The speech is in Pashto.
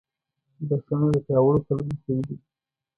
بښنه د پیاوړو خلکو خوی دی.